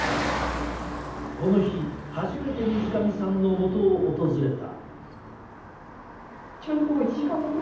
この日初めて水上さんのもとを訪れた。